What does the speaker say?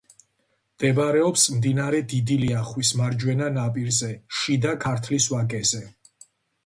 მდებარეობს მდინარე დიდი ლიახვის მარჯვენა ნაპირზე, შიდა ქართლის ვაკეზე.